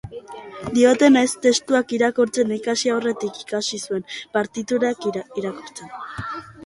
Diotenez, testuak irakurtzen ikasi aurretik ikasi zuen partiturak irakurtzen.